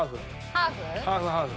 ハーフハーフ。